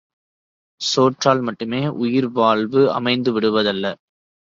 சோற்றால் மட்டுமே உயிர்வாழ்வு அமைந்துவிடுவதல்ல.